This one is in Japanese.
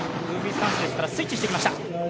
グーフィースタンスですからスイッチしてきました。